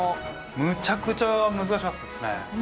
むちゃくちゃ難しかったですね。